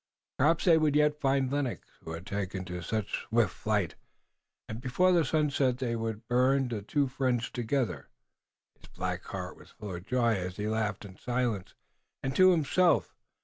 Perhaps they would yet find Lennox, who had taken to such swift flight, and before the sun set they could burn the two friends together. His black heart was full of joy as he laughed in silence and to himself.